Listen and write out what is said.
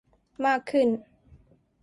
มากขึ้น